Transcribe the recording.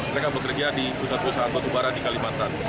mereka bekerja di pusat pusat batu bara di kalimantan